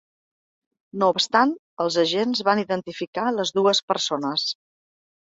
No obstant, els agents van identificar les dues persones.